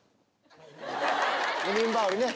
二人羽織ね！